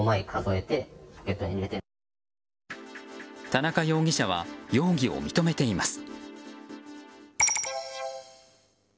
田中容疑者は容疑を認めています。